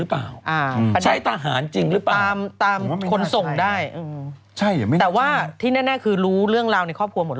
ก็นี่อ่ะรู้รายละเอียดทั้งหมดในบ้าน